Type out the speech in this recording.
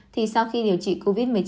thì sau khi điều trị covid một mươi chín